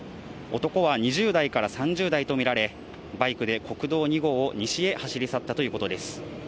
男は２０代から３０代とみられ、バイクで国道２号を西へ走り去ったということです。